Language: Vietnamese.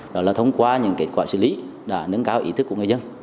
đó là thông qua những kết quả xử lý đã nâng cao ý thức của người dân